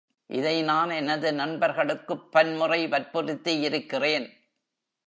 இதை நான் எனது நண்பர்களுக்குப் பன்முறை வற்புறுத்தியிருக்கிறேன்.